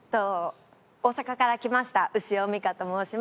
大阪から来ました潮みかと申します。